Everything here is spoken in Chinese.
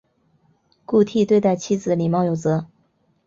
顾悌对待妻子礼貌有则。